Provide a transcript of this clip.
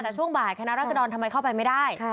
แต่ช่วงบ่ายคณะรัศดรทำไมเข้าไปไม่ได้